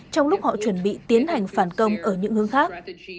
trong lúc họ chuẩn bị tiến hành phản công ở những hướng khác